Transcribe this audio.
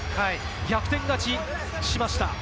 逆転勝ちしました。